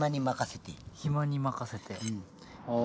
暇に任せて。